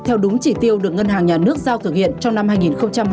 theo đúng chỉ tiêu được ngân hàng nhà nước giao thực hiện trong năm hai nghìn hai mươi